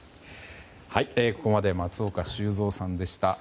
ここまで松岡修造さんでした。